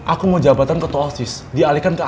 aku mau jabatan ketua ausis dialihkan ke aku